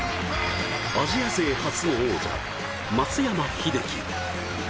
アジア勢初の王者松山英樹。